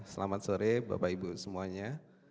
selamat sore bapak ibu semuanya